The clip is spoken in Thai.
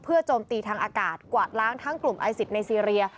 โจมตีทางอากาศกวาดล้างทั้งกลุ่มไอซิสในซีเรีย